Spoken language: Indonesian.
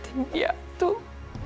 memang anak yatim